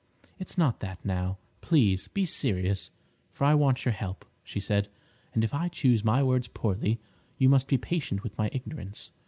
"It's not that; now, please, be serious, for I want your help," she said; "and if I choose my words poorly you must be patient with my ignorance.